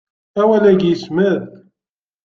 Awal-agi yecmet.